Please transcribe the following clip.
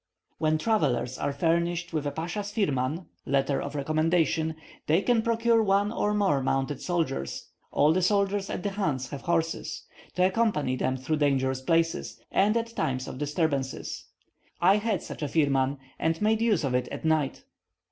When travellers are furnished with a pasha's firman (letter of recommendation), they can procure one or more mounted soldiers (all the soldiers at the chans have horses) to accompany them through dangerous places, and at times of disturbances. I had such a firman, and made use of it at night.